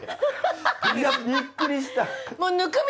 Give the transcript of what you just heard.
いやびっくりした。